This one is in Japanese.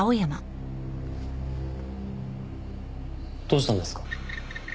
どうしたんですか？